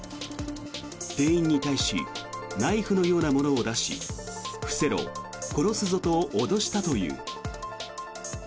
店員に対しナイフのようなものを出し伏せろ、殺すぞと脅したという。